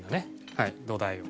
はい土台を。